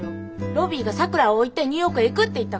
ロビーがさくらを置いてニューヨークへ行くって言ったから。